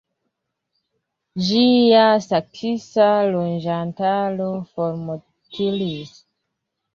Ĝia saksa loĝantaro formortis.